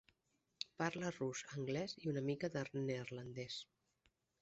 Parla rus, anglès i una mica de neerlandès.